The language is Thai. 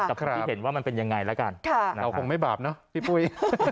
แต่คนที่เห็นว่ามันเป็นยังไงแล้วกันเราคงไม่บาปเนอะพี่ปุ้ย